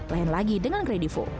lain lagi dengan kredivo